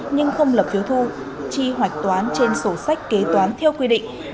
nhưng không lập phiếu thu chi hoạch toán trên sổ sách kế toán theo quy định